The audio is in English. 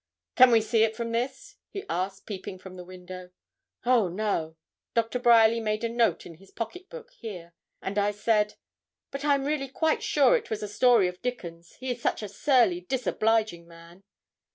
'Can we see it from this?' he asked, peeping from the window. 'Oh, no.' Doctor Bryerly made a note in his pocket book here, and I said 'But I am really quite sure it was a story of Dickon's, he is such a surly, disobliging man.'